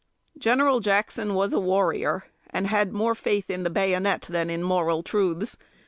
General Jackson was a warrior, and had more faith in the bayonet than in moral truths.